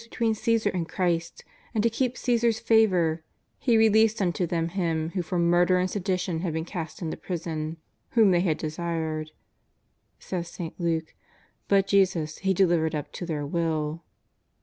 357 tween Caesar and Christ, and to keep Caesar's favour " he released unto them him who for murder and sedi tion had been cast into prison, whom they had desired," says St. Luke, " but Jesus he delivered up to their will.''